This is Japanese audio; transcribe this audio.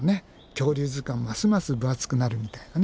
恐竜図鑑ますます分厚くなるみたいなね。